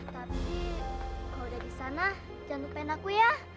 tapi kalau udah disana jangan lupain aku ya